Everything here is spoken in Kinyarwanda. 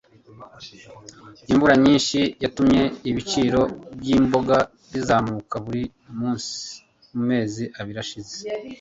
Imvura nyinshi yatumye ibiciro byimboga bizamuka buri munsi mumezi abiri ashize